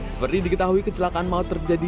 seperti diketahui kecelakaan maut terjadi